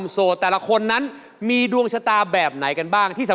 เผ็ดสีดไอ้ส